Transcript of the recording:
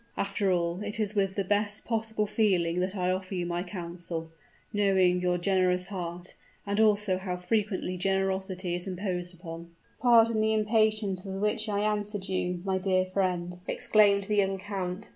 "After all, it is with the best possible feeling that I offer you my counsel knowing your generous heart, and also how frequently generosity is imposed upon." "Pardon the impatience with which I answered you, my dear friend," exclaimed the young count.